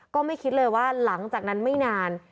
ก็ไม่คิดเลยว่าหลังจากนั้นไม่นาน